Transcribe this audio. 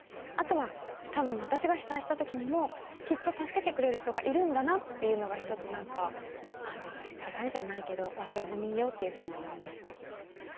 あとは多分私が被災した時にもきっと助けてくれる人がいるんだなっていうのが一つ何か支えじゃないけど忘れずにいようっていうふうに思いました。